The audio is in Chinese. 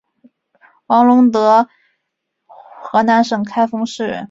王陇德河南省开封市人。